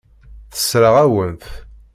Tessṛeɣ-awen-t.